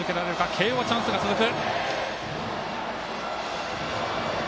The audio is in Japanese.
慶応はチャンスが続く。